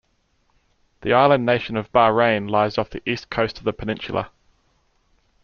The island nation of Bahrain lies off the east coast of the peninsula.